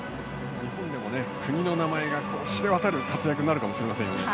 日本でも国の名前が知れ渡る活躍になるかもしれません。